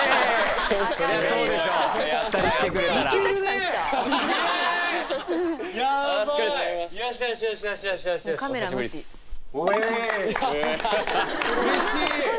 うれしい。